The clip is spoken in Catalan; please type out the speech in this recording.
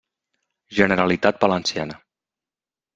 Generalitat valenciana.